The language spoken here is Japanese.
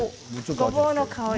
ごぼうの香り